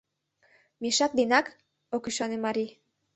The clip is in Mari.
— Мешак денак? — ок ӱшане марий.